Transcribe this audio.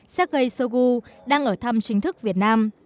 liên bang nga sergei sogu đang ở thăm chính thức việt nam